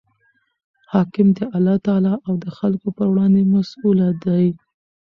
حاکم د الله تعالی او د خلکو پر وړاندي مسئوله دئ.